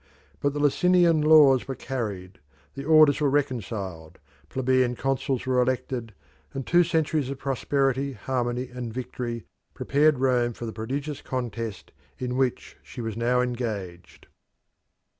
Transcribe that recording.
But the Licinian Laws were carried; the orders were reconciled; plebeian consuls were elected; and two centuries of prosperity, harmony, and victory prepared Rome for the prodigious contest in which she was now engaged.